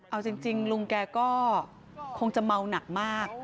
เอาจริงลุงแกก็คงจะเมาหนักมาก